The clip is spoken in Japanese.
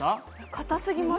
硬すぎます。